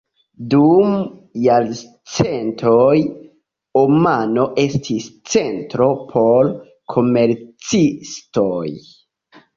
Dum jarcentoj, Omano estis centro por komercistoj.